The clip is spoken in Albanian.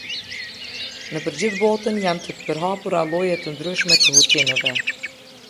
Nëpër gjithë botën janë të përhapura lloje të ndryshme të hutinëve.